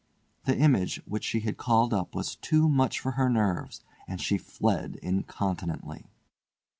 The image which she had called up was too much for her nerves, and she fled incontinently.